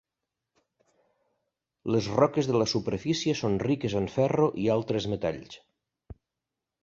Les roques de la superfície són riques en ferro i altres metalls.